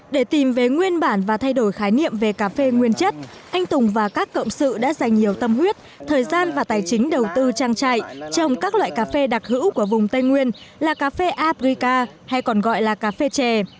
để tìm về nguyên bản và thay đổi khái niệm về cà phê nguyên chất anh tùng và các cộng sự đã dành nhiều tâm huyết thời gian và tài chính đầu tư trang trại trồng các loại cà phê đặc hữu của vùng tây nguyên là cà phê abrica hay còn gọi là cà phê chè